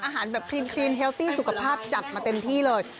อาหารแบบครีนเฮลตี้สุขภาพจัดมาเต็มที่เลย